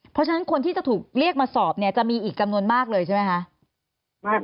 เพราะฉะนั้นคนที่จะถูกเรียกมาสอบเนี่ยจะมีอีกจำนวนมากเลยใช่ไหมคะ